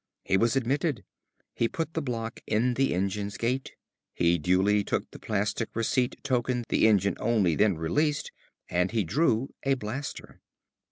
He was admitted. He put the block in the engine's gate. He duly took the plastic receipt token the engine only then released, and he drew a blaster.